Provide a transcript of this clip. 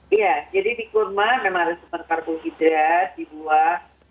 iya jadi di kurma memang ada superkarbohidrat di buah